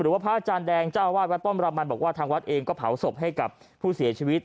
พระอาจารย์แดงเจ้าอาวาสวัดป้อมรามันบอกว่าทางวัดเองก็เผาศพให้กับผู้เสียชีวิต